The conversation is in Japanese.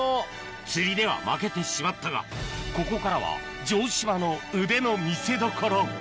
釣りでは負けてしまったがここからは城島の腕の見せどころ